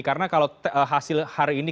karena kalau hasil hari ini